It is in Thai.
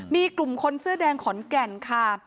มีกลุ่มคนเสื้อแดงขอนแก่นค่ะ